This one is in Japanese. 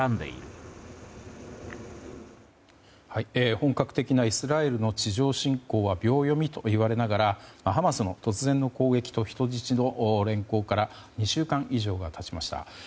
本格的なイスラエルの地上侵攻は秒読みといわれながらハマスの突然の攻撃と人質の連行から２週間以上が経ちました。